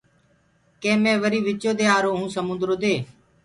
ڪي مي وري وِچو دي آرو هو سموندرو دي۔